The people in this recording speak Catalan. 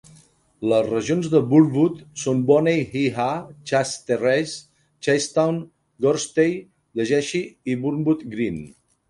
Les regions de Burntwood són Boney Hi ha, Chase Terrace, Chasetown, Gorstey Llegeixi i Burntwood Green.